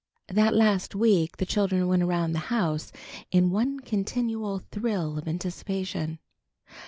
That last week the children went around the house in one continual thrill of anticipation.